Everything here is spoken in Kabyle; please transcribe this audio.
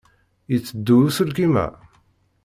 Yetteddu uselkim-a?